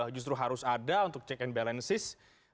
justru harus ada untuk check and balances